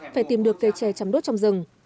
phải tìm được cây tre chăm đốt trong rừng